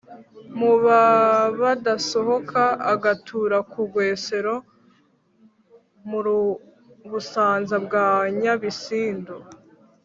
mu b'abadasohoka, agatura ku rwesero mu busanza bwa nyabisindu,